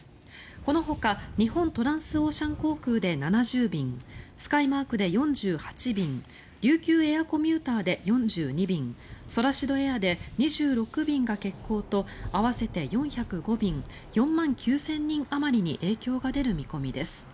このほか日本トランスオーシャン航空で７０便スカイマークで４８便琉球エアーコミューターで４２便ソラシドエアで２６便が欠航と合わせて４０５便４万９０００人あまりに影響が出る見込みです。